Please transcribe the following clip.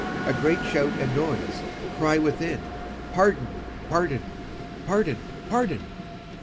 [A great shout and noise, cry within 'Pardon, pardon, pardon, pardon!